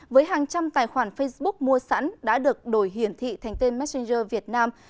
với hàng trăm tài khoản facebook mua sẵn đã được đổi hiển thị thành tên messenger việt nam